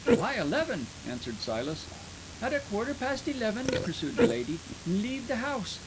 "By eleven," answered Silas. "At a quarter past eleven," pursued the lady, "leave the house.